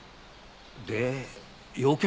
で用件は？